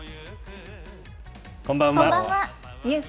こんばんは。